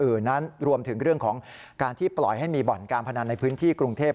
อื่นนั้นรวมถึงเรื่องของการที่ปล่อยให้มีบ่อนการพนันในพื้นที่กรุงเทพ